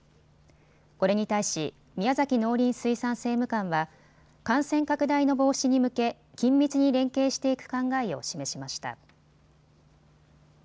これに対し宮崎農林水産政務官は感染拡大の防止に向け緊密に連携していく考えを示しました。